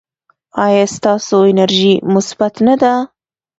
ایا ستاسو انرژي مثبت نه ده؟